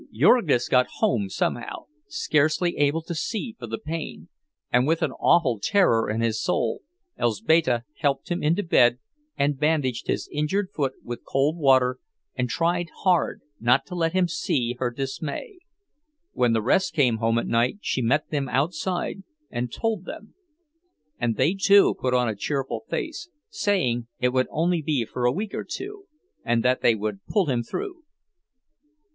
Jurgis got home somehow, scarcely able to see for the pain, and with an awful terror in his soul, Elzbieta helped him into bed and bandaged his injured foot with cold water and tried hard not to let him see her dismay; when the rest came home at night she met them outside and told them, and they, too, put on a cheerful face, saying it would only be for a week or two, and that they would pull him through.